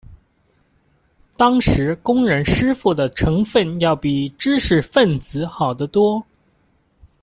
当时工人师傅的成分要比知识分子好得多。